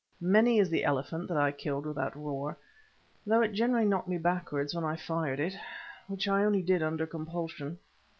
Many is the elephant that I killed with that roer, although it generally knocked me backwards when I fired it, which I only did under compulsion.